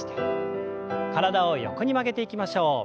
体を横に曲げていきましょう。